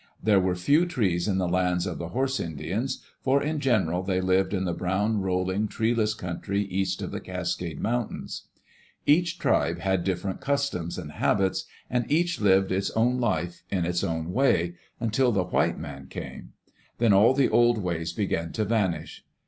There were few trees in the lands of the horse Indians, for, in general, they lived in the brown, rolling, treeless country east of the Cascade mountains. Each tribe had different customs and habits, and each lived its own life in its own way, until the white man came. Then all the old ways began to vanish.